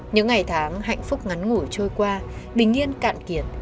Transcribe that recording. những ngày tháng hạnh phúc ngắn ngủi trôi qua bình yên cạn kiệt